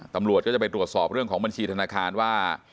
ตำรวจก็จะไปตรวจสอบเรื่องของบัญชีธนาคารว่า